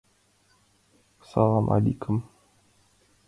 Саламаликым.